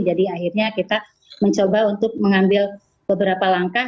jadi akhirnya kita mencoba untuk mengambil beberapa langkah